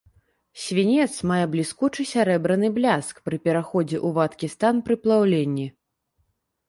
Свінец мае бліскучы сярэбраны бляск, пры пераходзе ў вадкі стан пры плаўленні.